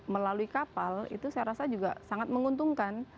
melalui kapal itu saya rasa juga sangat menguntungkan